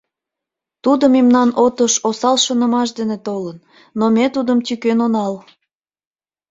Тудо мемнан отыш осал шонымаш дене толын, но ме тудым тӱкен онал.